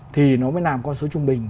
thì nó mới làm con số trung bình